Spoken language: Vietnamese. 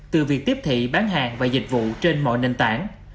từ việc tiếp thị bán hàng và dịch vụ trên mọi nền tảng